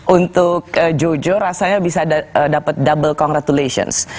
untuk jojo rasanya bisa dapat double congratulations